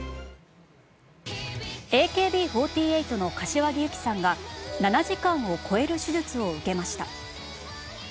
ＡＫＢ４８の柏木由紀さんが７時間を超える手術を受けました。